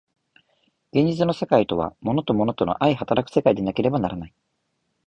現実の世界とは物と物との相働く世界でなければならない。